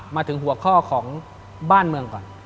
มาถึงหัวข้อของบ้านเมืองก่อน